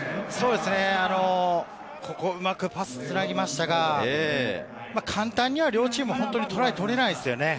ここをうまくパスをつなぎましたが、簡単には両チーム、トライ取れないですよね。